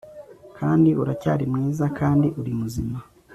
kandi uracyari mwiza kandi uri muzima